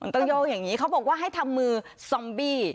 ต้องโยกอย่างนี้เขาบอกว่าให้ทำมือซอมบี้